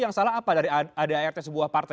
yang salah apa dari adart sebuah partai